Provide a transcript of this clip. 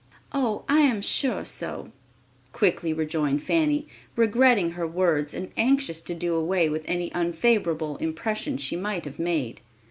"Oh, I am sure so," quickly rejoined Fanny, regretting her words and anxious to do away with any unfavorable impression she might have made.